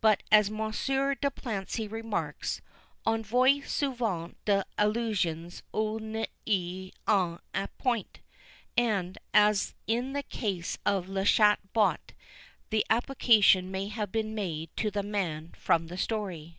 But, as Monsieur de Plancy remarks, "On voit souvent des allusions ou il n'y en a point;" and, as in the case of Le Chat Botté, the application may have been made to the man from the story.